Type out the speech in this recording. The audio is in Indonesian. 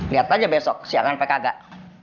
lihat aja besok siang kan pake kagak